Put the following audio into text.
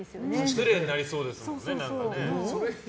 失礼になりそうですもんね。